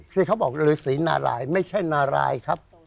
คือเค้าบอกเรือศีลนารายไม่ใช่นารายครับ